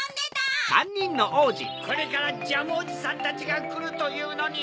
これからジャムおじさんたちがくるというのに。